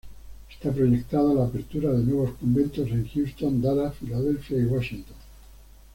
Está proyectada la apertura de nuevos conventos en Houston, Dallas, Filadelfia y Washington.